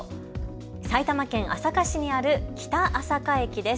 埼玉県朝霞市にある北朝霞駅です。